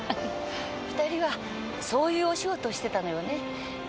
２人はそういうお仕事してたのよね。